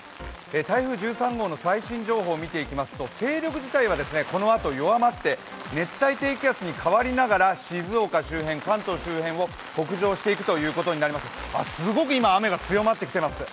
台風１３号の最新情報を見ていきますと勢力自体はこのあと弱まって熱帯低気圧に変わりながら静岡周辺、関東周辺を北上していくということになります、すごく今、雨が強まってきています。